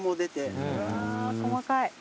うわあ細かい。